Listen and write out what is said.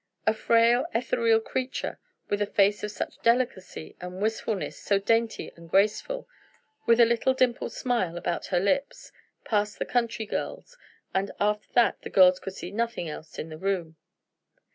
A frail, ethereal creature, with a face of such delicacy and wistfulness, so dainty and graceful, with a little dimpled smile about her lips, passed the country girls and after that the girls could see nothing else in the room.